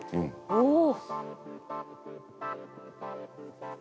おお！